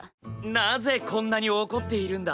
なぜこんなに怒っているんだ？